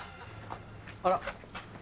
あら。